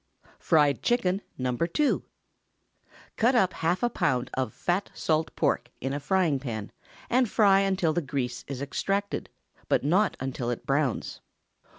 FRIED CHICKEN (No. 2). Cut up half a pound of fat salt pork in a frying pan, and fry until the grease is extracted, but not until it browns.